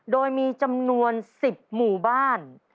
โดยมีจำนวน๑๐หมู่บ้าน